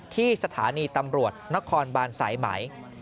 ที่สถานีตำรวจนครบานสายไหม